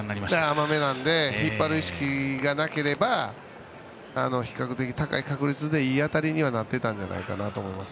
甘めなので引っ張る意識がなければ比較的、高い確率でいい当たりになっていたと思います。